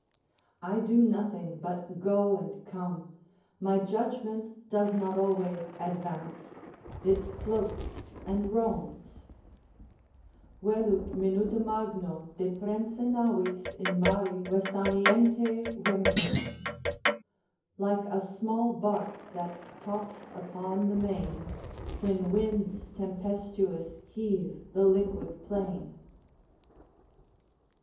I do nothing but go and come; my judgment does not always advance it floats and roams: Velut minuta magno Deprensa navis in mari vesaniente vento. "Like a small bark that's tost upon the main. When winds tempestuous heave the liquid plain."